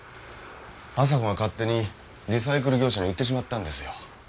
亜沙子が勝手にリサイクル業者に売ってしまったんですよ。